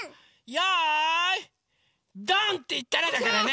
よいどん！っていったらだからね！